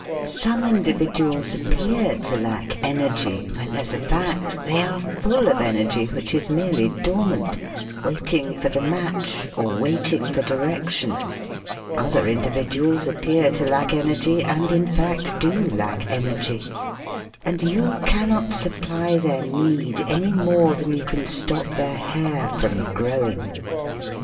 "Some individuals appear to lack energy, when, as a fact, they are full of energy which is merely dormant, waiting for the match, or waiting for di rection. Other individuals appear to lack energy, and, in fact, do lack energy. And you cannot supply their need any more than you can stop their hair from growing.